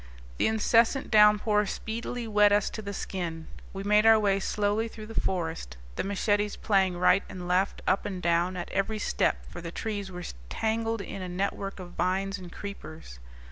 The incessant downpour speedily wet us to the skin. We made our way slowly through the forest, the machetes playing right and left, up and down, at every step, for the trees were tangled in a network of vines and creepers.